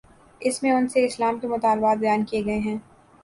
اس میں ان سے اسلام کے مطالبات بیان کیے گئے ہیں۔